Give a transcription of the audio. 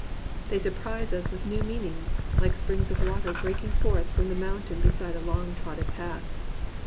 They sur prise us with new meanings, like springs of water breaking forth from the mountain beside a long trodden path.